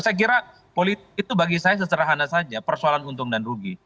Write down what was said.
saya kira politik itu bagi saya seserahana saja persoalan untung dan rugi